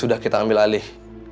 sudah kita ambil alih